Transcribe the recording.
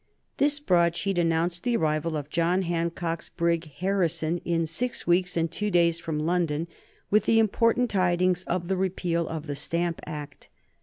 This broadsheet announced the arrival of John Hancock's brig "Harrison," in six weeks and two days from London, with the important tidings of the repeal of the Stamp Act.